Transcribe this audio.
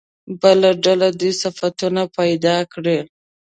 بله ډله دې صفتونه پیدا کړي.